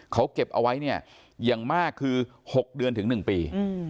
เขาเก็บเอาไว้เนี่ยอย่างมากคือ๖เดือนถึง๑ปี